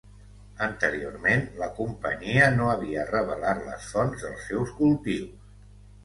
Anteriorment, la companyia no havia revelat les fonts dels seus cultius.